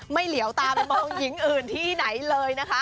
เหลียวตาไปมองหญิงอื่นที่ไหนเลยนะคะ